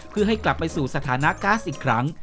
เพื่อให้กลับไปสู่สถานะก๊าซอีกครั้ง